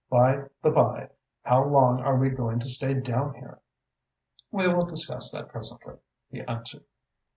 By the by, how long are we going to stay down here?" "We will discuss that presently," he answered.